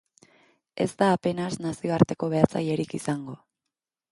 Ez da apenas nazioarteko behatzailerik izango.